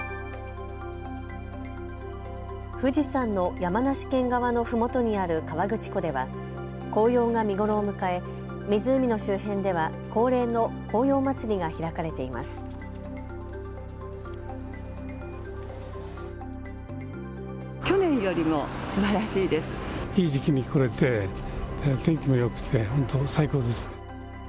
富士山の山梨県側のふもとにある河口湖では紅葉が見頃を迎え湖の周辺では恒例の紅葉まつりが開かれています。